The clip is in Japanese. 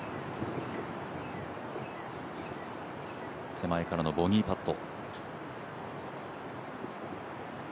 手前からのボギーパット。